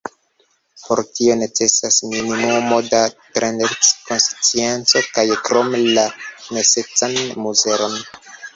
Por tio necesas minimumo da tendenc-konscienco kaj krome la necesan mezuron.